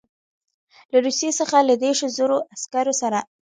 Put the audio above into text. له روسیې څخه له دېرشو زرو عسکرو سره.